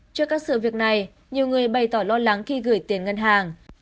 trước các sự việc này nhiều người bày tỏ lo lắng khi gửi tiền ngân hàng